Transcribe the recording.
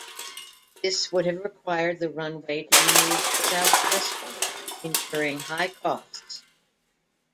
This would have required the runway to be moved southwestwards, incurring high costs.